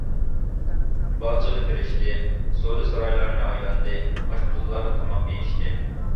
باغچىغا كىرىشتى سودا سارايلارنى ئايلاندى، ئاشپۇزۇللاردا تاماق يېيىشتى.